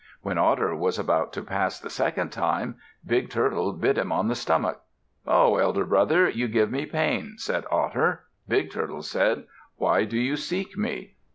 When Otter was about to pass the second time, Big Turtle bit him in the stomach. "Ho! elder brother, you give me pain," said Otter. Big Turtle said, "Why do you seek me?"